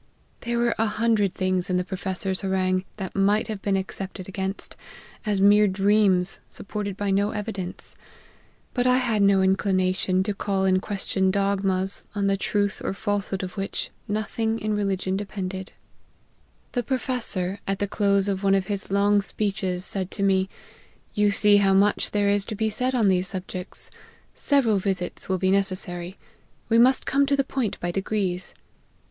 There were a hundred things in the Professor's harangue, that might have been excepted against, as mere dreams, supported by no evidence ; but I had no inclination to call in ques tion dogmas, on the truth or falsehood of which, nothing in religion depended. N 146 LIFE OF HENRY MARTYX. " The Professor, at the close of one of his long speeches, said to me, ' You see how much there is to be said on these subjects ; several visits will be necessary ; we must come to the point by degrees.'